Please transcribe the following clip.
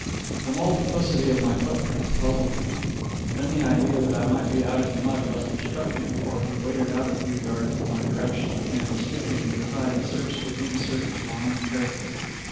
The multiplicity of my footprints puzzled him. Then the idea that I might be out in the mud must have struck him, for he waded out a few yards in my direction, and, stooping, with his eyes searched the dim surface long and carefully.